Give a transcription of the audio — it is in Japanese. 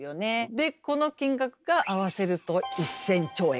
でこの金額が合わせると１，０００兆円。